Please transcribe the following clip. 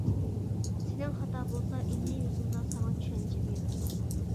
سېنىڭ خاتا بولسا ئىلمىي يوسۇندا ساڭا چۈشەنچە بېرىدۇ.